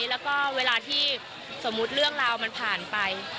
แล้วก็เวลาที่สมมุติเรื่องราวมันผ่านไป